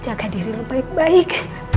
jaga diri lo baik baik